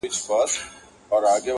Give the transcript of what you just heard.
پښې چي مي مزلونو شوړولې اوس یې نه لرم -